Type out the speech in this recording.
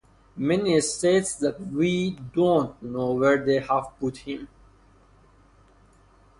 Mary states that "we" don't know where they have put him.